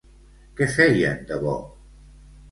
Què feien de bo?